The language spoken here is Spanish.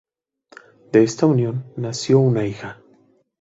De esta unión nació una hija.